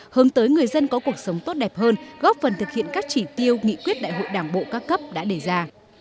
hướng tới người dân có cuộc sống tốt đẹp hơn góp phần thực hiện các chỉ tiêu nghị quyết đại hội đảng bộ các cấp đã đề ra